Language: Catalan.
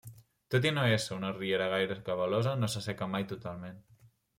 Tot i no ésser una riera gaire cabalosa, no s'asseca mai totalment.